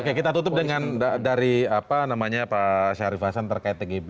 oke kita tutup dengan dari apa namanya pak syarif hasan terkait tgb